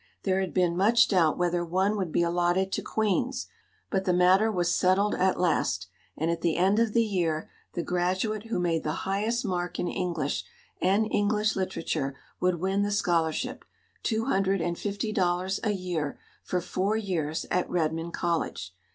There had been much doubt whether one would be allotted to Queen's, but the matter was settled at last, and at the end of the year the graduate who made the highest mark in English and English Literature would win the scholarship two hundred and fifty dollars a year for four years at Redmond College.